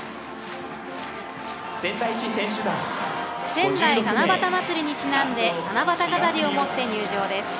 仙台七夕まつりにちなんで七夕飾りを持って入場です。